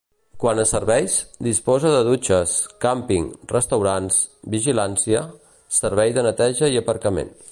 Quant a serveis, disposa de dutxes, càmping, restaurants, vigilància, servei de neteja i aparcament.